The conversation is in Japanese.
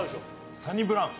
サニブラウン。